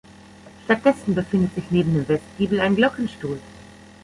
Stattdessen befindet sich neben dem Westgiebel ein Glockenstuhl.